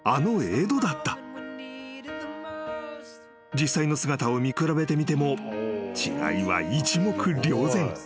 ［実際の姿を見比べてみても違いは一目瞭然］